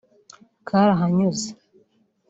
Karahanyuze